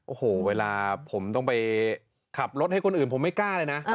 โอ้โหเวลาผมต้องไปขับรถให้คนอื่นผมไม่กล้าเลยนะ